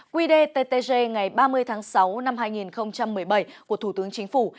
quy đề ttg ngày ba mươi tháng sáu năm hai nghìn một mươi bảy của thủ tướng chính phủ